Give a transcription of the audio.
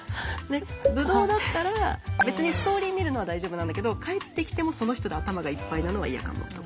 ブドウだったら別にストーリー見るのは大丈夫なんだけど帰ってきてもその人で頭がいっぱいなのはイヤかもとか。